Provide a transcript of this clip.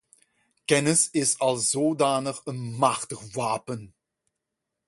Kennis is als zodanig een machtig wapen.